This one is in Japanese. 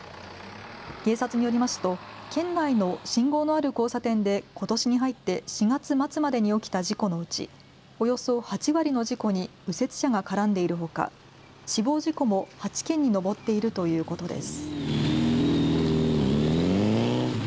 警察によりますと県内の信号のある交差点でことしに入って４月末までに起きた事故のうちおよそ８割の事故に右折車が絡んでいるほか死亡事故も８件に上っているということです。